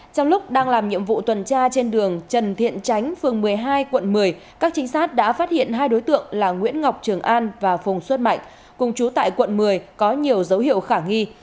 trong lúc đang làm nhiệm vụ tuần tra trên đường trần thiện tránh phường một mươi hai quận một mươi các trinh sát đã phát hiện hai đối tượng là nguyễn ngọc trường an và phùng xuân mạnh cùng chú tại quận một mươi có nhiều dấu hiệu khả nghi